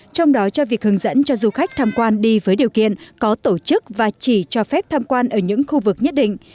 trong đó cho việc hướng dẫn cho du khách tham quan đi với điều kiện có tổ chức và chỉ cho phép tham quan ở những khu vực nhất định